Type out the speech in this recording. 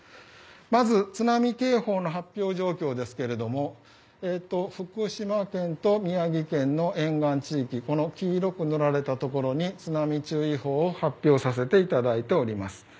まず、津波警報の発表状況ですが福島県と宮城県の沿岸地域黄色く塗られたところに津波注意報を発表させていただいております。